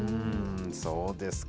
そうですか。